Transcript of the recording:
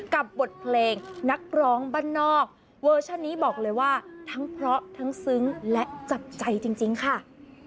บทเพลงนักร้องบ้านนอกเวอร์ชันนี้บอกเลยว่าทั้งเพราะทั้งซึ้งและจับใจจริงค่ะ